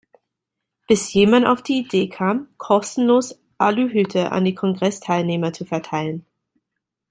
Bis jemand auf die Idee kam, kostenlos Aluhüte an die Kongressteilnehmer zu verteilen.